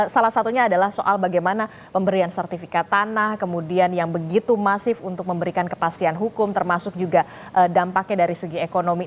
salah satunya adalah soal bagaimana pemberian sertifikat tanah kemudian yang begitu masif untuk memberikan kepastian hukum termasuk juga dampaknya dari segi ekonomi